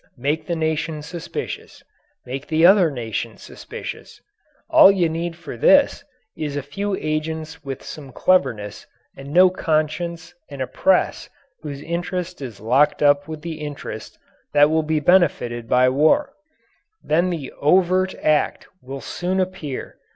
Make the nation suspicious; make the other nation suspicious. All you need for this is a few agents with some cleverness and no conscience and a press whose interest is locked up with the interests that will be benefited by war. Then the "overt act" will soon appear.